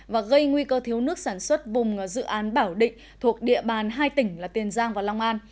và gây nguy cơ thiếu nước sản xuất vùng dự án bảo định thuộc địa bàn hai tỉnh là tiền giang và long an